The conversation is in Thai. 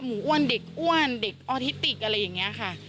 อ้วนเด็กอ้วนเด็กออทิติกอะไรอย่างนี้ค่ะ